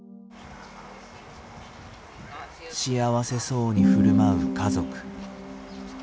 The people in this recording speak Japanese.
幸せそうに振る舞う家族。